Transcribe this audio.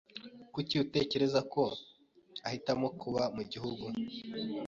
Kuki utekereza ko ahitamo kuba mu gihugu?